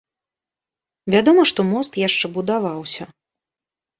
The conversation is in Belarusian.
Вядома, што мост яшчэ будаваўся.